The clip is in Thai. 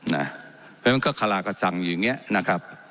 เพราะมันก็ขลากสั่งอย่างนี้นะครับ